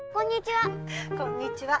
こんにちは。